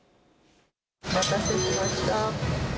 お待たせしました。